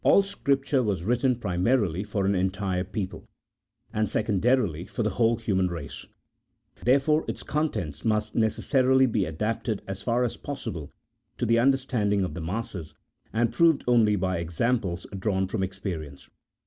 All Scripture was written primarily for an entire people, and secondarily for the whole human race; therefore its contents must necessarily be adapted as far as possible to the understanding of the masses, and proved only by ex amples drawn from experience.